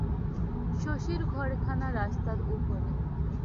শশীর ঘরখানা রাস্তার উপরে।